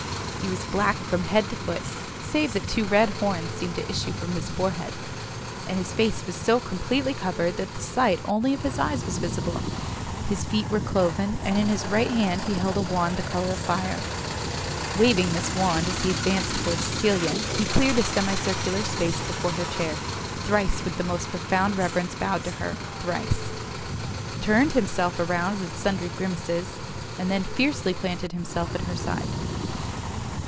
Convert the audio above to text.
He was black from head to foot, save that two red horns seemed to issue from his forehead; his face was so completely covered that the sight only of his eyes was visible, his feet were cloven, and in his right hand he held a wand the colour of fire. Waving this wand as he advanced towards Cecilia, he cleared a semi circular space before her chair, thrice with the most profound reverence bowed to her, thrice turned himself around with sundry grimaces, and then fiercely planted himself at her side.